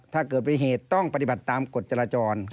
ถ้าเกิดเป็นเหตุต้องปฏิบัติตามกฎจราจร